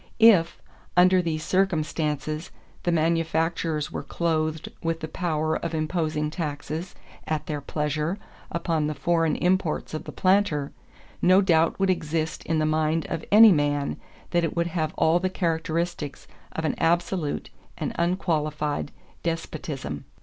If, under these circumstances, the manufacturers were clothed with the power of imposing taxes, at their pleasure, upon the foreign imports of the planter, no doubt would exist in the mind of any man that it would have all the characteristics of an absolute and unqualified despotism."